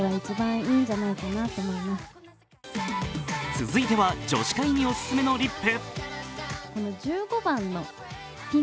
続いては女子会にオススメのリップ。